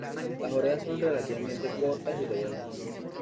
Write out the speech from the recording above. Las orejas son relativamente cortas y redondeadas.